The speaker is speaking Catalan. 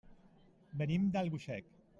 Venim d'Albuixec.